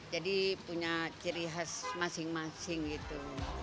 jadi punya ciri khas masing masing gitu